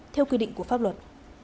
theo quy định của pháp luật